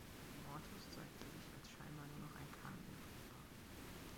Immortus zeigte sich, als scheinbar nur noch ein Kang übrig war.